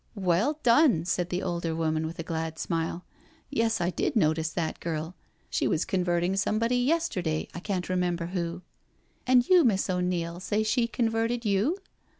"Well done," said the older woman with a glad smile. " Yes, I did notice that girl, she was converting IN THE COURTYARD 89 somebody yesterday, I can*t remember who. And you, Miss 0*NeiI, say she converted you?